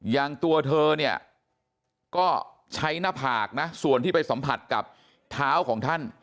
อย่างตัวเธอเนี่ยก็ใช้หน้าผากนะส่วนที่ไปสัมผัสกับเท้าของท่าน